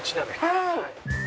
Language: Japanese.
はい！